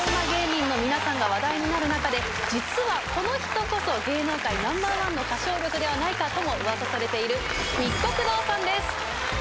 芸人の皆さんが話題になる中で実はこの人こそ芸能界ナンバーワンの歌唱力ではないかともうわさされている。